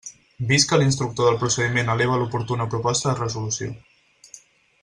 Vist que l'instructor del procediment eleva l'oportuna proposta de resolució.